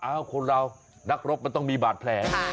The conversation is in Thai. อ้าวคนราวนักรบมันต้องมีบาดแพร่